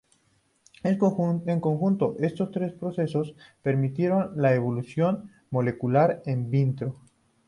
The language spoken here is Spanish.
En conjunto, estos tres procesos permitieron la evolución molecular in vitro.